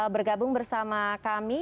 bergabung bersama kami